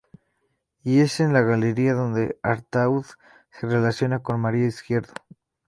Y es en la Galería donde Artaud se relaciona con María Izquierdo.